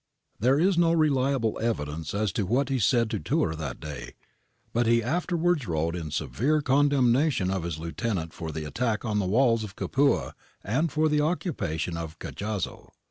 There is no reliable evidence as to what he said to Tiirr that day, but he afterwards wrote in severe con demnation of his lieutenant for the attack on the walls of Capua and for the occupation of Cajazzo.'